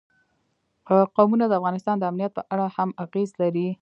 قومونه د افغانستان د امنیت په اړه هم اغېز لري.